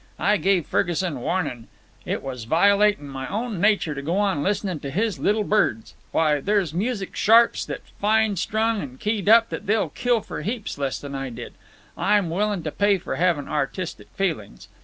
"I gave Ferguson warnin'. It was violatin' my own nature to go on listening to his little birds. Why, there's music sharps that fine strung an' keyed up they'd kill for heaps less'n I did. I'm willin' to pay for havin' artistic feelin's.